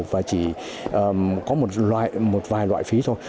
và chỉ có một vài loại phí thôi